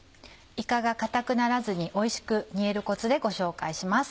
いかが硬くならずにおいしく煮えるコツでご紹介します。